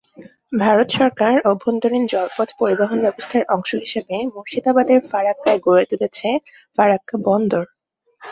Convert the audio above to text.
ভারত সরকার অভ্যন্তরীণ জলপথ পরিবহন ব্যবস্থার অংশ হিসাবে মুর্শিদাবাদের ফারাক্কায় গড়ে তুলেছে ফারাক্কা বন্দর।